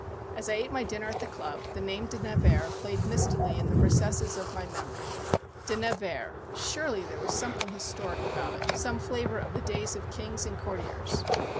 As I ate my dinner at the club the name De Nevers played mistily in the recesses of my memory. De Nevers! Surely there was something historic about it, some flavor of the days of kings and courtiers.